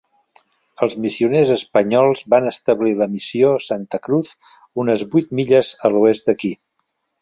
Els missioners espanyols van establir la missió Santa Cruz unes vuit milles a l'oest d'aquí.